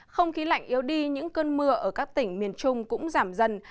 không khí lạnh yếu đi những cơn mưa ở các tỉnh miền trung cũng giảm dần